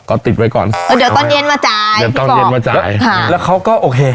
ก็ติดไว้ก่อนเดี๋ยวตอนเย็นมาจ่ายพี่บอกแล้วเขาก็โอเค